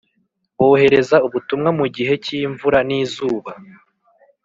Bohereza ubutumwa mu gihe cyimvura nizuba